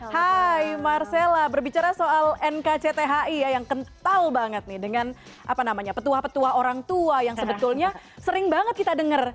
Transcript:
hai marcella berbicara soal nkcthi yang kental banget nih dengan apa namanya petua petua orang tua yang sebetulnya sering banget kita denger